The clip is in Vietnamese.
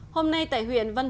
hôm nay tại huyện văn động